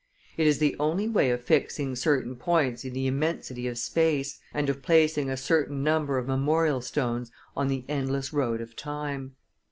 It is the only way of fixing certain points in the immensity of space, and of placing a certain number of memorial stones on the endless road of time."